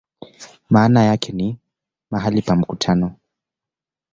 Maana yake ni "mahali pa mkutano".